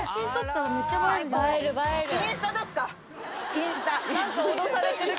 インスタ！